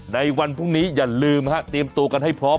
ในวันพรุ่งนี้อย่าลืมเตรียมตัวกันให้พร้อม